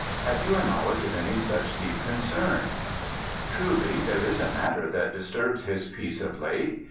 "Have you a knowledge of any such deep concern?" "Truly there is a matter that disturbs his peace of late.